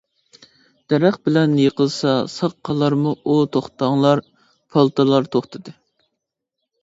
«دەرەخ بىلەن يىقىلسا، ساق قالارمۇ ئۇ، توختاڭلار» ، پالتىلار توختىدى.